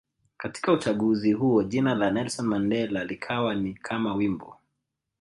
Katika uchaguzi huo jina la Nelson Mandela likawa ni kama wimbo